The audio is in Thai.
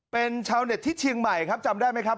เป็นชาวเน็ตที่เชียงใหม่ครับจำได้ไหมครับ